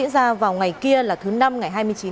thứ năm ngày hai mươi chín tháng ba